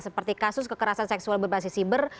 seperti kasus kekerasan seksual berbasis siber